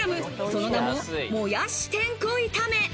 その名も、もやしてんこ炒め。